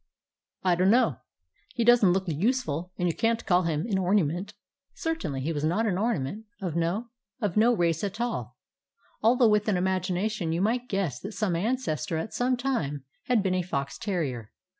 "I dunno. He doesn't look useful, and you can't call him an ornymint." Certainly he was not an ornament: of no 158 A BROOKLYN DOG race at all, although with an imagination you might guess that some ancestor at some time had been a fox terrier.